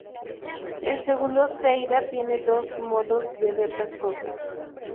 El segundo "Zelda" tiene dos modos de ver las cosas.